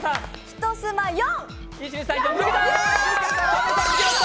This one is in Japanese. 人スマ４。